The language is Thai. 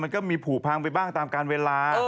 มันก็มีผูพังไปบ้างตามการเวลา